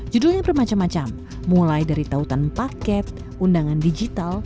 judulnya bermacam macam mulai dari tautan paket undangan digital